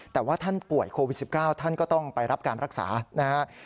แต่ว่าท่านป่วยโควิด๑๙ท่านก็ต้องไปรับการรักษานะครับ